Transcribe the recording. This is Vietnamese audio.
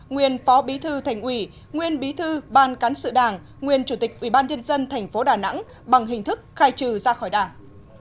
nguyên phó bí thư thành ủy nguyên bí thư ban cán sự đảng nguyên chủ tịch ubnd tp đà nẵng bằng hình thức khai trừ ra khỏi đảng